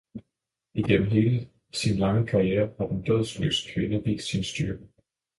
Igennem hele sin lange karriere har den dådløse kvinde vist sin styrke.